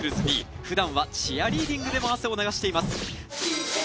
普段はチアリーディングでも汗を流しています。ＧＯ！